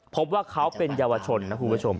พบว่าเขาเป็นเยาวชนนะคุณผู้ชม